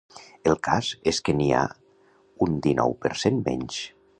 El cas és que n’hi ha un dinou per cent menys.